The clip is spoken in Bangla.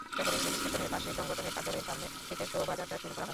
শহরের রেলস্টেশনের পাশে সংগঠনের কার্যালয়ের সামনে থেকে শোভাযাত্রা শুরু করা হয়।